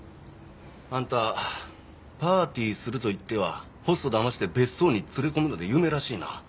あんたパーティーすると言ってはホストだまして別荘に連れ込むので有名らしいな。